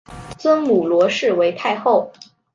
尊母罗氏为太后。